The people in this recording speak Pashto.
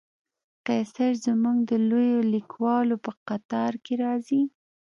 قیصر زموږ د لویو لیکوالو په قطار کې راځي.